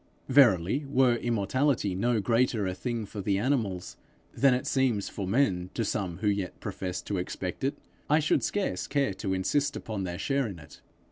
Verily, were immortality no greater a thing for the animals than it seems for men to some who yet profess to expect it, I should scarce care to insist upon their share in it.